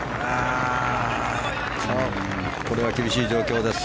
これは厳しい状況です。